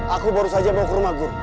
aku baru saja bawa ke rumah guru